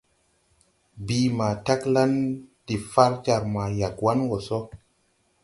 Bìi ma taglan de far jar ma Yagouan wɔ sɔ.